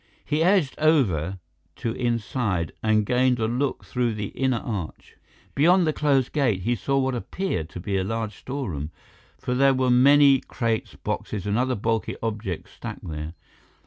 He edged over to one side and gained a look through the inner arch. Beyond the closed gate he saw what appeared to be a large storeroom, for there were many crates, boxes, and other bulky objects stacked there.